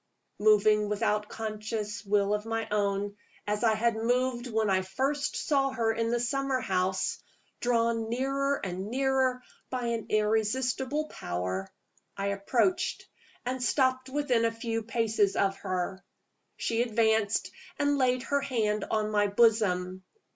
Moving without conscious will of my own, as I had moved when I first saw her in the summer house drawn nearer and nearer by an irresistible power I approached and stopped within a few paces of her. She advanced and laid her hand on my bosom.